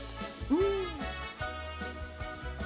うん。